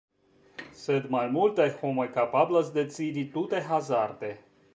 Sed malmultaj homoj kapablas decidi tute hazarde.